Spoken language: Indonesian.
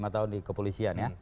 tahun di kepolisian